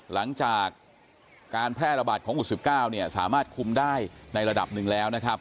หลังจากการแพร่ระบาดของอุด๑๙สามารถคุมได้ในระดับหนึ่งแล้วนะครับ